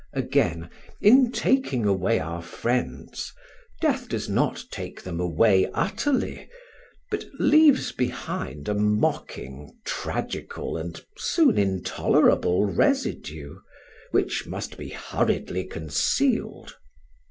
Again in taking away our friends, death does not take them away utterly, but leaves behind a mocking, tragical, and soon intolerable residue, which must be hurriedly concealed.